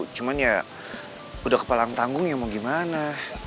cuman ya udah kepalang tanggung ya mau gimana